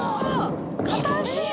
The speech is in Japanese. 片足。